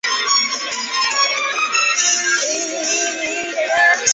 但此居住的是一批全新的动植物。